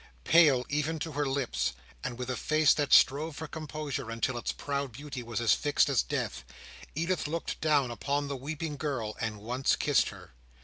Pale even to her lips, and with a face that strove for composure until its proud beauty was as fixed as death, Edith looked down upon the weeping girl, and once kissed her.